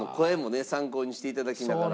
参考にして頂きながら。